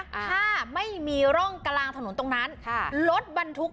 ถ้าไม่มีล่องการางถนนตรงนั้นข้ารถบรรทุกผู้ชม